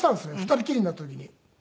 ２人きりになった時に。